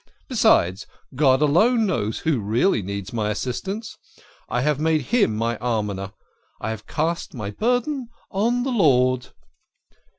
Besides, God alone knows who really needs my assistance I have made Him my almoner ; I have cast my burden on the Lord."